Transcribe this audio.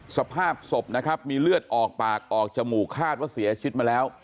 สภาพศพนะครับมีเลือดออกปากออกจมูกคาดว่าเสียชีวิตมาแล้ว